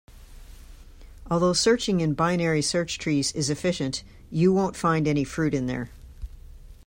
Although searching in binary search trees is efficient, you won't find any fruit in there.